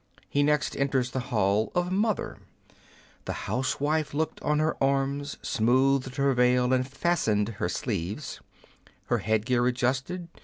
He next enters the hall of Mother. The housewife looked on her arms, Smoothed her veil, and fastened her sleeves, Her headgear adjusted.